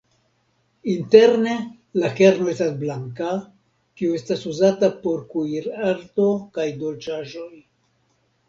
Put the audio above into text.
Interne la kerno estas blanka, kio estas uzata por kuirarto kaj dolĉaĵoj.